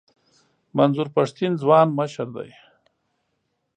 منظور پښتین ځوان مشر دی.